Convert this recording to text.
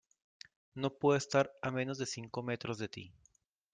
no puedo estar a menos de cinco metros de ti